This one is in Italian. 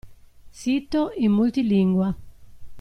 Sito in multilingua.